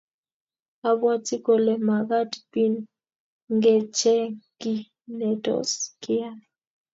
abwati kole magat binmgecheng kiy netos keam